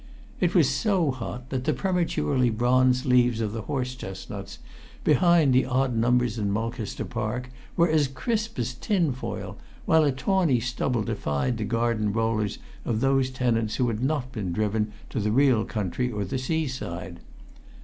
It was so hot that the prematurely bronze leaves of the horse chestnuts, behind the odd numbers in Mulcaster Park, were as crisp as tinfoil, while a tawny stubble defied the garden rollers of those tenants who had not been driven to the real country or the seaside.